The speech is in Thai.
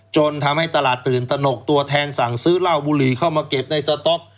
จนทำให้ตลาดตื่นตนกตัวแทนสั่งซื้อเหล้าบุหรี่เข้ามาเก็บในสต๊อก